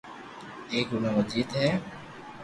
ايڪ رو نوم اجيت ھي